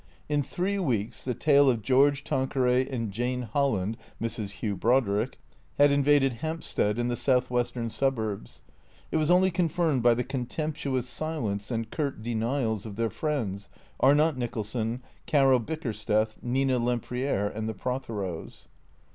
In three weeks the tale of George Tanqueray and Jane Holland (Mrs. Hugh Brodrick) had invaded Hampstead and the Southwestern suburbs. It was only confirmed by the contemptuous silence and curt denials of their friends, Arnott Nicholson, Caro Bickersteth, Nina Lem priere and the Protheros.